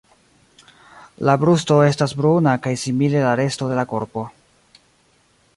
La brusto estas bruna kaj simile la resto de la korpo.